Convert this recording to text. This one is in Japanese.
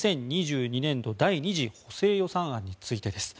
２０２２年度第２次補正予算案についてです。